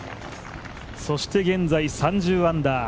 そして現在、３０アンダー。